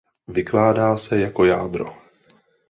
Vykládá se jako "jádro".